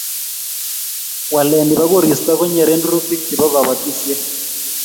walee ni bo koristo ko nyeren rurutik che bo kabotisie.